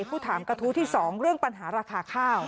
ผู้ถามกระทู้ที่๒เรื่องปัญหาราคาข้าว